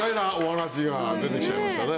出て来ちゃいましたね。